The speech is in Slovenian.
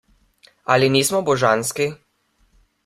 Ali nismo božanski?